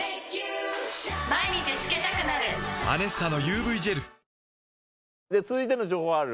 「アネッサ」のＵＶジェル続いての情報ある？